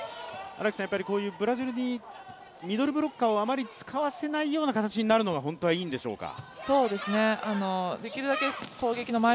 ブラジルにミドルブロッカーを余り使わせないような形になるのが本当はいいんでしょうか。